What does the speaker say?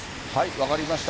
分かりました。